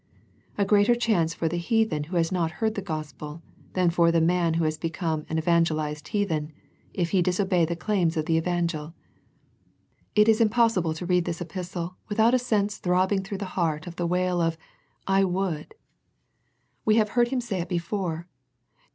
A greater chance for the heathen who has not heard the Gospel than for the man who has become an evangelized heathen, if he disobey the claims of the Evangel. It is impossible to read this epistle without a sense throbbing through the heart of the wail of " I would." 204 A First Century Message We have heard Him say it before.